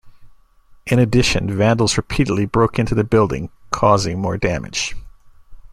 In addition, vandals repeatedly broke into the building, causing more damage.